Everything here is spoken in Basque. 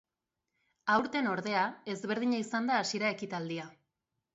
Aurten, ordea, ezberdina izan da hasiera ekitaldia.